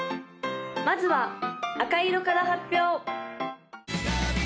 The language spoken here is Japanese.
・まずは赤色から発表！